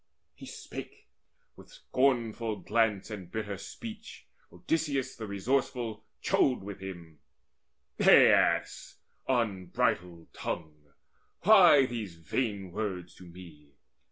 He spake: with scornful glance and bitter speech Odysseus the resourceful chode with him: "Aias, unbridled tongue, why these vain words To me?